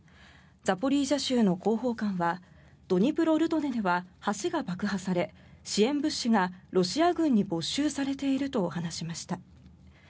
ザポリージャ州の広報官はドニプロルドネでは橋が爆破され支援物資がロシア軍に没収されていると話しました。